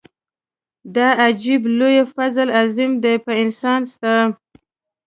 دا عجب لوی فضل عظيم دی په انسان ستا.